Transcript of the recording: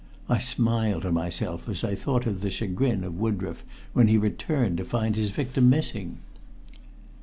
I smiled to myself as I thought of the chagrin of Woodroffe when he returned to find his victim missing.